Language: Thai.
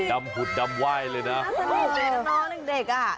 ดำหุดดำไหว้เลยนะน่าสนิทนะน้องนักเด็กอ่ะ